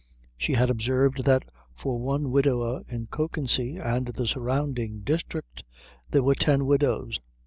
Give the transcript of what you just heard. She had observed that for one widower in Kökensee and the surrounding district there were ten widows.